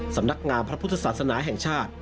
สำนักงามพระพุทธศาสนาแห่งชาติ